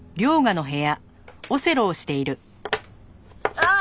ああ！